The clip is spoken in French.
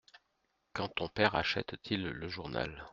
Quand ton père achète-t-il le journal ?